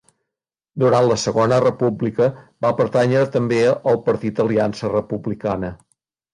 Durant la Segona República va pertànyer també al partit Aliança Republicana.